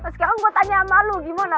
sekarang gue tanya sama lu gimana